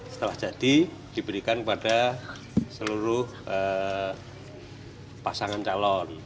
setelah jadi diberikan kepada seluruh pasangan calon